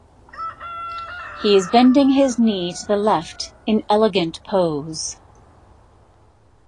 He is bending his knee to the left in elegant pose.